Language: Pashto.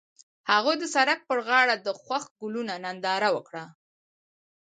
هغوی د سړک پر غاړه د خوښ ګلونه ننداره وکړه.